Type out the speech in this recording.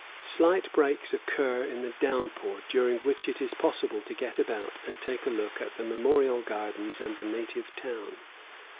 Slight breaks occur in the downpour, during which it is possible to get about and take a look at the Memorial Gardens and the native town.